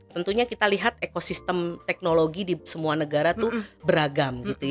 tentunya kita lihat ekosistem teknologi di semua negara itu beragam